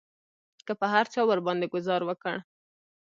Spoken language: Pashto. که به هر چا ورباندې ګوزار وکړ.